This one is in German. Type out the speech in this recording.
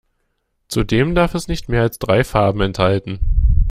Zudem darf es nicht mehr als drei Farben enthalten.